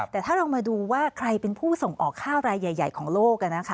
แต่ถ้าเรามาดูว่าใครเป็นผู้ส่งออกข้าวรายใหญ่ของโลก